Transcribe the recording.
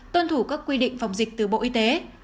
tuân thủ các quy định phòng dịch từ bộ y tế